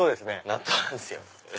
納豆なんですよ。